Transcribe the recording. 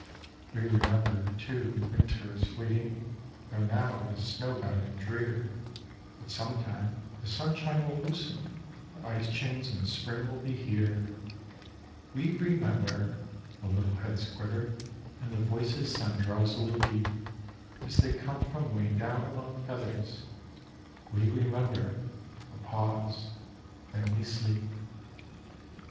"We remember, too, winter is fleeting, Though now it is snow bound and drear; But sometime the sunshine will loosen The ice chains and spring will be here. "We remember"—the little heads quiver And the voices sound drowsily deep, As they come from 'way down among feathers; "We remember"—a pause—"then we sleep."